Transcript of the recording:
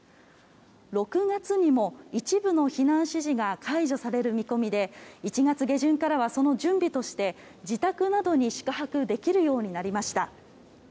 ６月にも一部の避難指示が解除される見込みで１月下旬からはその準備として自宅などに宿泊できるようになりました。